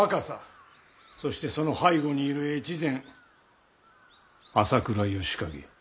そしてその背後にいる越前朝倉義景。